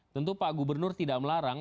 tentu pak gubernur tidak melarang